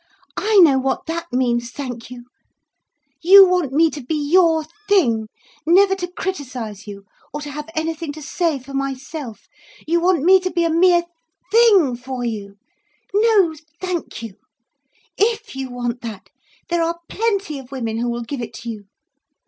"I know what that means, thank you. You want me to be your thing, never to criticise you or to have anything to say for myself. You want me to be a mere thing for you! No thank you! If you want that, there are plenty of women who will give it to you.